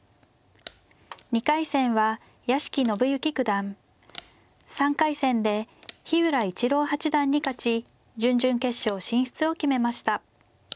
２回戦は屋敷伸之九段３回戦で日浦市郎八段に勝ち準々決勝進出を決めました。